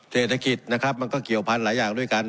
เศรษฐกิจนะครับมันก็เกี่ยวพันธุ์หลายอย่างด้วยกัน